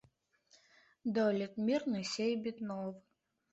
Дойлід мірны, сейбіт новы